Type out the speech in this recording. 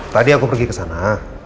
tadi aku pergi ke sana